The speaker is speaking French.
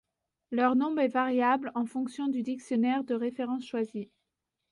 Leur nombre est variable, en fonction du dictionnaire de référence choisi.